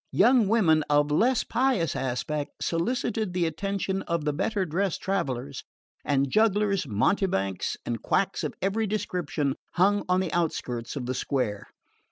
Young women of less pious aspect solicited the attention of the better dressed travellers, and jugglers, mountebanks and quacks of every description hung on the outskirts of the square.